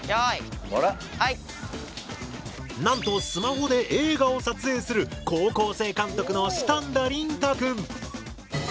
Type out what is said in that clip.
なんとスマホで映画を撮影する高校生監督のシタンダリンタくん！